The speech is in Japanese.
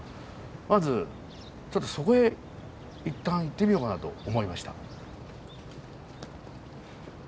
まずちょっとそこへ一旦行ってみようかなと思いました。